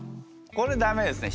これ駄目ですね